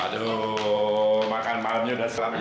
aduh makan malamnya udah selama ini